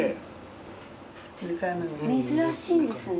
珍しいんですね。